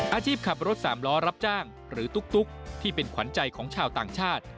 อาชีพขับรถสามล้อรับจ้างหรือตุ๊กที่เป็นขวัญใจของชาวต่างชาติ